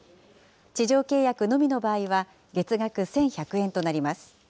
地上契約のみの場合は、月額１１００円となります。